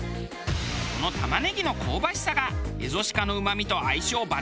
この玉ねぎの香ばしさがエゾシカのうまみと相性抜群なのです。